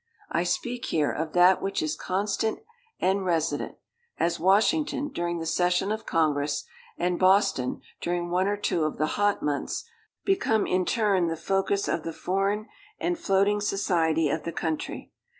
I speak here of that which is constant and resident; as Washington, during the Session of Congress, and Boston, during one or two of the hot months, become in turn the focus of the foreign and floating society of the country.